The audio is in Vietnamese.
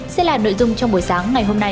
sẽ là nội dung trong buổi sáng ngày hôm nay